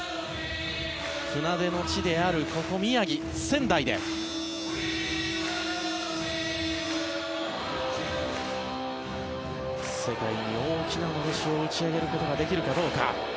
船出の地であるここ、宮城・仙台で世界に大きなのろしを打ち上げることができるか。